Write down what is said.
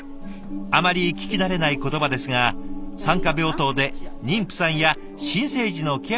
あまり聞き慣れない言葉ですが産科病棟で妊婦さんや新生児のケアなどを行うための授業だそうで。